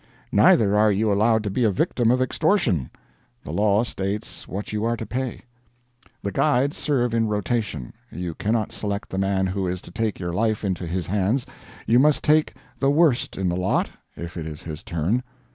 Neither are you allowed to be a victim of extortion: the law states what you are to pay. The guides serve in rotation; you cannot select the man who is to take your life into his hands, you must take the worst in the lot, if it is his turn.